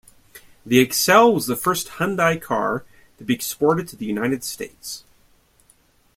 The Excel was the first Hyundai car to be exported to the United States.